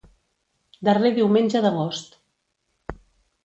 Darrer diumenge d'agost.